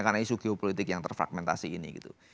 karena isu geopolitik yang terfragmentasi ini gitu